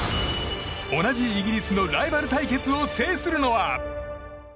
同じイギリスのライバル対決を制するのは。